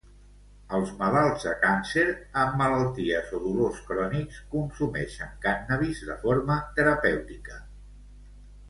Els malalts de càncer, amb malalties o dolors crònics, consumeixen cànnabis de forma terapèutica.